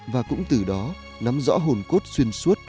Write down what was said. và cũng từ đó nắm rõ hồn cốt xuyên suốt